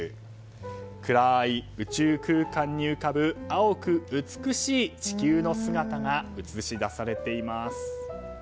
暗い宇宙空間に浮かぶ青く美しい地球の姿が映し出されています。